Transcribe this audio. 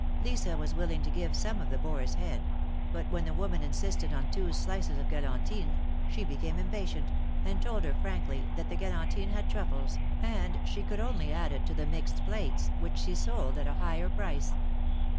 Lisa was willing to give some of the boar's head ; but when the woman insisted on two slices of galantine, she became impatient, and told her frankly that the galantine had truffles, and she could only add it to the mixed plates, which she sold at a higher price.